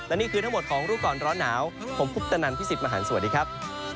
และนี่คือทั้งหมดของรู้ก่อนร้อนหนาวผมคุปตนันพี่สิทธิ์มหันฯสวัสดีครับ